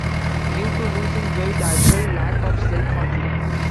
Due to losing weight I felt lack of self-confidence.